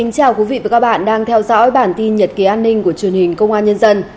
chào mừng quý vị đến với bản tin nhật ký an ninh của truyền hình công an nhân dân